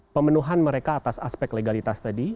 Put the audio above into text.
pemenuhan mereka atas aspek legalitas tadi